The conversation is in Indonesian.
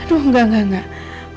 aduh enggak enggak enggak